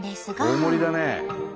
大盛りだね。